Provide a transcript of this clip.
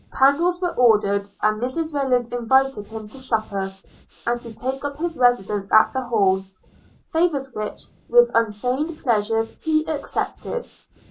Candles were ordered, and Mrs Rayland invited him to supper, and to take up his residence at the Hall – favours which, with unfeigned pleasure he accepted.